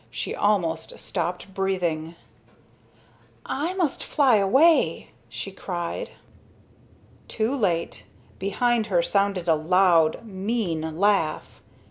She almost stopped breathing. "I must fly away," she cried. Too late! Behind her sounded a loud, mean laugh.